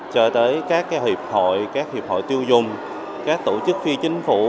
cho tới các hiệp hội các hiệp hội tiêu dùng các tổ chức phi chính phủ